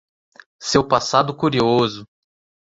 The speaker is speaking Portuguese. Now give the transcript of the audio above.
Seu passado curioso